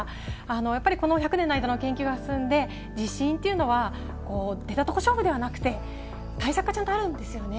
やっぱりこの１００年の間の研究が進んで、地震というのは出たとこ勝負ではなくて、対策ちゃんとあるんですよね。